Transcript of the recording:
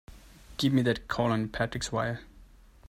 Give me that call on Patrick's wire!